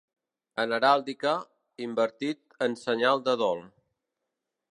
En heràldica, invertit en senyal de dol.